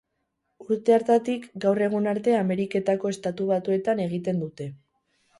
Urte hartatik gaur egun arte Ameriketako Estatu Batuetan egiten dute.